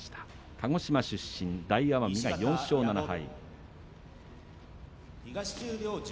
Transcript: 鹿児島出身の大奄美が４勝７敗。